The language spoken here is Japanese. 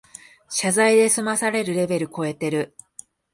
謝罪で済まされるレベルこえてる